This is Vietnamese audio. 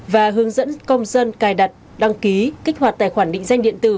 và hướng dẫn công dân cài đặt đăng ký kích hoạt tài quản định danh điện tử vneid